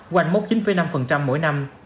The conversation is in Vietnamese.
quanh mốt chín năm mỗi năm